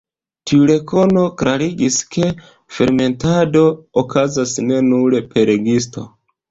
Tiu rekono klarigis, ke fermentado okazas ne nur per gisto.